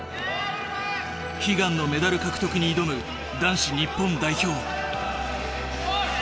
悲願のメダル獲得に挑む男子日本代表！